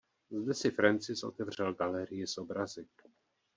Zde si Francis otevřel galerii s obrazy.